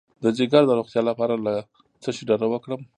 د ځیګر د روغتیا لپاره له څه شي ډډه وکړم؟